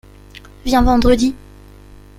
Viens vendredi.